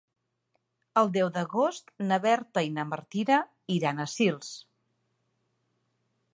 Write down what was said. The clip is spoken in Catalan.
El deu d'agost na Berta i na Martina iran a Sils.